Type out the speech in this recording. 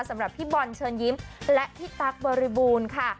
สำหรับพี่บอลเชิญยิ้มและพี่ตั๊กบริบูรณ์ค่ะ